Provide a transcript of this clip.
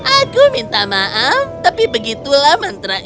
aku minta maaf tapi begitulah mantra yang aku inginkan